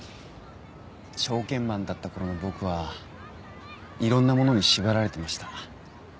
証券マンだった頃の僕はいろんなものに縛られてました。